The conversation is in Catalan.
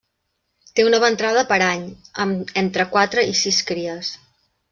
Té una ventrada per any, amb entre quatre i sis cries.